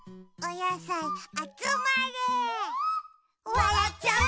「わらっちゃう」